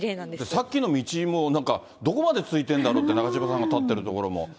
さっきの道も、なんかどこまで続いてるんだろうって、なかじまさんが立っている所も。